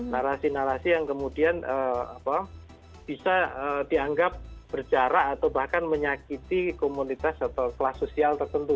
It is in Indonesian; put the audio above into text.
narasi narasi yang kemudian bisa dianggap berjarak atau bahkan menyakiti komunitas atau kelas sosial tertentu